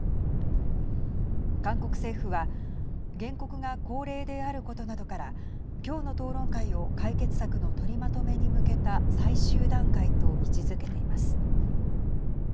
韓国政府は原告が高齢であることなどから今日の討論会を解決策の取りまとめに向けた最終段階と位置づけています。